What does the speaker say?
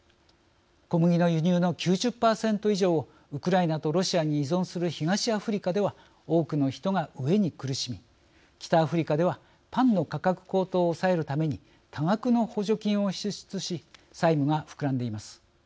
小麦の輸入の９０％以上をウクライナとロシアに依存する東アフリカでは多くの人が飢えに苦しみ北アフリカではパンの価格高騰を抑えるために多額の補助金を支出し債務が膨らんでいます。